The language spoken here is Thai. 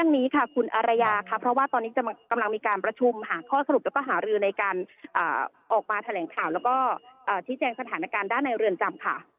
ในการออกมาแถลงข่าวแล้วก็ที่แจงสถานการณ์ด้านในเรือนจำค่ะ